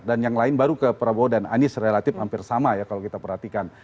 dan yang lain baru ke prabowo dan anies relatif hampir sama ya kalau kita perhatikan